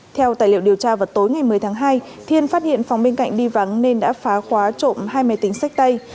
theo tài liệu điều tra vào tối ngày một mươi tháng hai thiên phát hiện phòng bên cạnh đi vắng nên đã phá khóa trộm hai máy tính sách tay